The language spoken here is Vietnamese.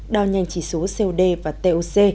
đo nhanh chỉ số cod và toc